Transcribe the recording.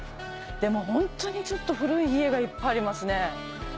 でもホントにちょっと古い家がいっぱいありますね。